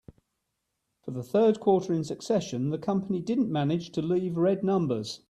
For the third quarter in succession, the company didn't manage to leave red numbers.